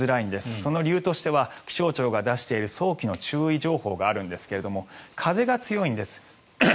その理由としては気象庁が出している早期の注意情報があるんですが風が強いんです。